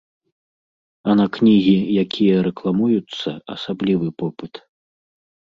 А на кнігі, якія рэкламуюцца, асаблівы попыт.